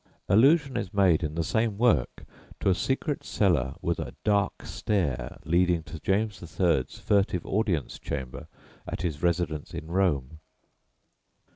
Allusion is made in the same work to a secret cellar with a "dark stair" leading to James III.'s furtive audience chamber at his residence in Rome.